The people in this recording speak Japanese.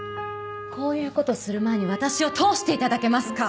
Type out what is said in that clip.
こういうことする前に私を通していただけますか！